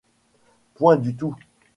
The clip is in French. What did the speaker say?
Point du tout.